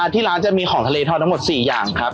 ที่ร้านจะมีของทะเลทอดทั้งหมด๔อย่างครับ